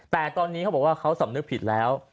แต่ตอนนี้เขาบอกว่าเขาสำนึกผิดแล้ว